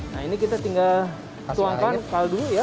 nah ini kita tinggal tuangkan kaldu ya